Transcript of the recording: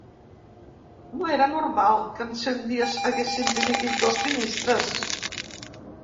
No era normal que en cent dies haguessin dimitit dos ministres.